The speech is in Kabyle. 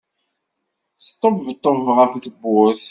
Sṭebṭeb ɣef tewwurt.